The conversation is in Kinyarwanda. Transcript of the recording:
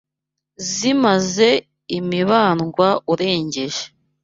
Zimaze imibarwa urengeje